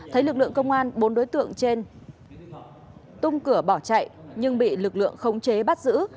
thấy lực lượng công an bốn đối tượng trên tung cửa bỏ chạy nhưng bị lực lượng khống chế bắt giữ